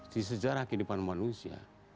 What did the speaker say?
di sejarah kehidupan manusia